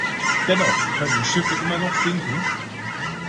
Dennoch können Schiffe immer noch sinken.